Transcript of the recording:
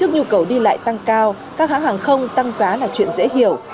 nhu cầu đi lại tăng cao các hãng hàng không tăng giá là chuyện dễ hiểu